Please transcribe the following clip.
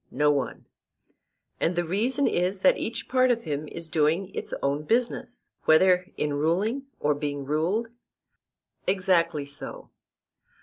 No one. And the reason is that each part of him is doing its own business, whether in ruling or being ruled? Exactly so.